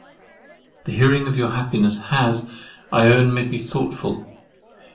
The hearing of your happiness has, I own, made me thoughtful.